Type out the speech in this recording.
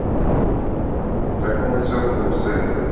O que aconteceu com você?